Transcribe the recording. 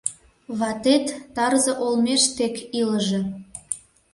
Ватет тарзе олмеш тек илыже.